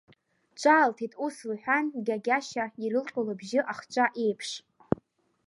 Ҿаалҭит ус лҳәан Гьагьашьа, ирылҟьо лыбжьы ахҿа еиԥш.